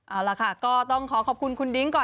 เอาล่ะค่ะก็ต้องขอขอบคุณคุณดิ้งก่อน